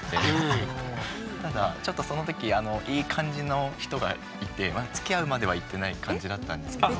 ただちょっとその時あのいい感じの人がいてつきあうまではいってない感じだったんですけど。